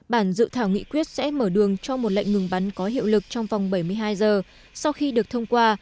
bản dự thảo nghị quyết sẽ mở đường cho một lệnh ngừng bắn có hiệu lực trong vòng bảy mươi hai giờ sau khi được thông qua